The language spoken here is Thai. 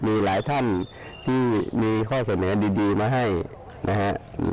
มีหลายท่านที่มีข้อเสนอดีมาให้นะฮะ